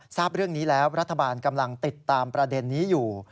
ทราบเรื่องนี้แล้วรัฐบาลกำลังติดตามประเด็นนี้อยู่